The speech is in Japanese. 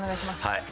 はい。